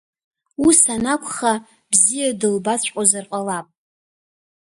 Ус анакәха, бзиа дылбаҵәҟьозар ҟалап…